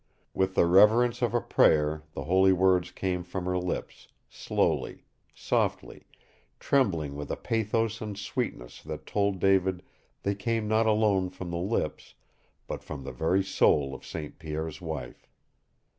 With the reverence of a prayer the holy words came from her lips, slowly, softly, trembling with a pathos and sweetness that told David they came not alone from the lips, but from the very soul of St. Pierre's wife.